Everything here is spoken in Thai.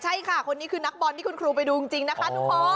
ใช่ค่ะคนนี้คือนักบอลที่นักเรียนไปดูจริงนะคะ